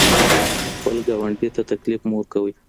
خپل ګاونډي ته تکلیف مه ورکوئ.